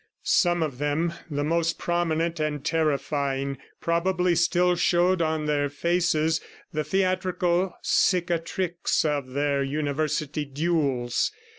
Some of them, the most prominent and terrifying, probably still showed on their faces the theatrical cicatrices of their university duels.